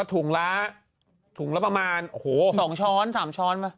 ถุงและประมาณโหมสองช้อนสามช้อนป่ะ